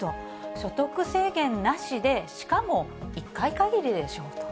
所得制限なしで、しかも１回限りでしょと。